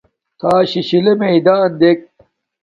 تھݳ شِشِلݺ مݵدݳنݳ دݵک.